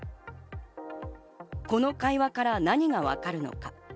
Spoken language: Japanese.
この会話から何がわかるのか？